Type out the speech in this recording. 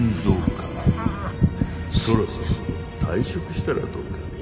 そろそろ退職したらどうかね。